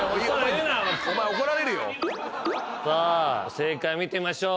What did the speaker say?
正解見てみましょう。